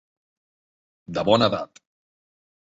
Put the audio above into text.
De bona edat.